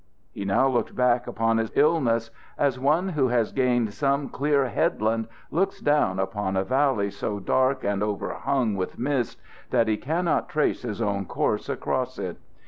He now looked back upon his illness, as one who has gained some clear headland looks down upon a valley so dark and overhung with mist that he cannot trace his own course across it.